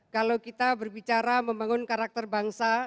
kalau kita berbicara membangun karakter bangsa